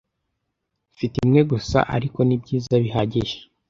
mfite imwe gusa ariko nibyiza bihagije